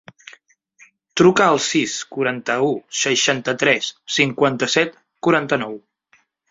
Truca al sis, quaranta-u, seixanta-tres, cinquanta-set, quaranta-nou.